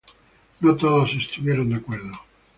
No todos estuvieron de acuerdo.